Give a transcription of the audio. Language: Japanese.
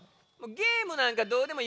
ゲームなんかどうでもいい。